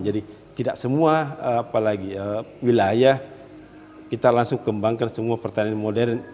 jadi tidak semua apalagi wilayah kita langsung kembangkan semua petani modern